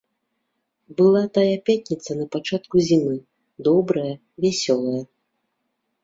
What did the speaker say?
Была тая пятніца на пачатку зімы, добрая, вясёлая.